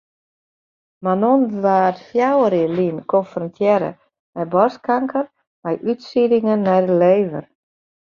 Manon waard fjouwer jier lyn konfrontearre mei boarstkanker mei útsieddingen nei de lever.